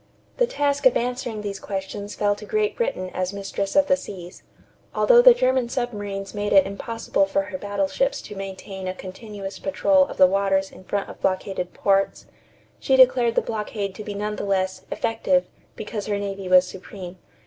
The task of answering these questions fell to Great Britain as mistress of the seas. Although the German submarines made it impossible for her battleships to maintain a continuous patrol of the waters in front of blockaded ports, she declared the blockade to be none the less "effective" because her navy was supreme.